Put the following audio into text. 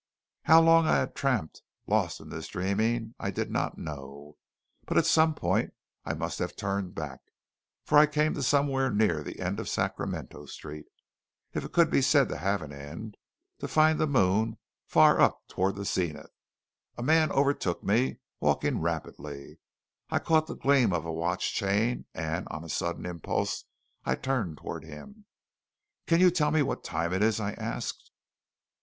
How long I had tramped, lost in this dreaming, I did not know; but at some point I must have turned back, for I came to somewhere near the end of Sacramento Street if it could be said to have an end to find the moon far up toward the zenith. A man overtook me, walking rapidly; I caught the gleam of a watch chain, and on a sudden impulse I turned toward him. "Can you tell me what time it is?" I asked.